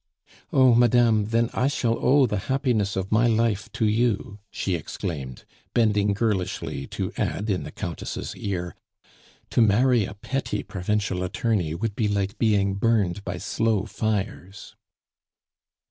"Oh! madame, then I shall owe the happiness of my life to you," she exclaimed, bending girlishly to add in the Countess' ear, "To marry a petty provincial attorney would be like being burned by slow fires."